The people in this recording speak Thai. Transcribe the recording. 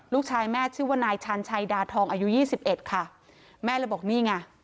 ลูกชายแม่ชื่อว่านายชันชัยดาทองอายุ๒๑ค่ะแม่เลยบอกนี่ไง